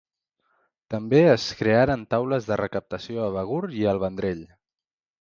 També es crearen taules de recaptació a Begur i el Vendrell.